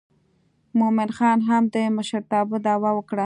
مومن خان هم د مشرتابه دعوه وکړه.